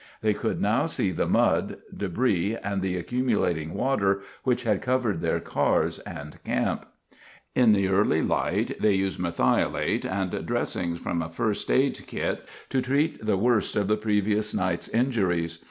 They could now see the mud, debris and the accumulating water which had covered their cars and camp. In the early light they used merthiolate and dressings from a first aid kit to treat the worst of the previous night's injuries.